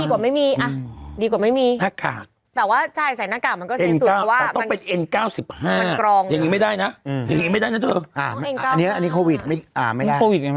ก็ดีกว่าไม่มีอะดีกว่าไม่มี